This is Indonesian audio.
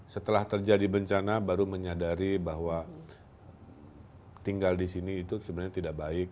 setelah terjadi bencana baru menyadari bahwa tinggal di sini itu sebenarnya tidak baik